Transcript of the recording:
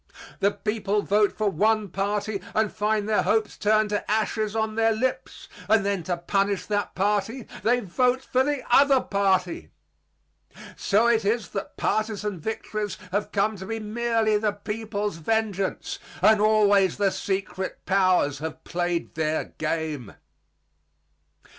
The people vote for one party and find their hopes turned to ashes on their lips; and then to punish that party, they vote for the other party. So it is that partisan victories have come to be merely the people's vengeance; and always the secret powers have played their game.